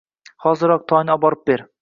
Hoziroq toyni oborib ber.